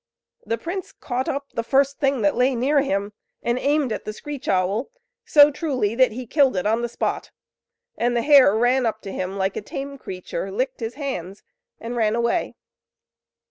The prince caught up the first thing that lay near him, and aimed at the screech owl, so truly that he killed it on the spot, and the hare ran up to him, like a tame creature, licked his hands, and ran away.